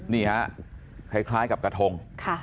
นี่ฮะคล้ายกับกระทง